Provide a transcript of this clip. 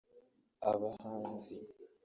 abahanzi